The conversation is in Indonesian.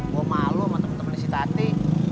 gue malu sama temen temen di sitati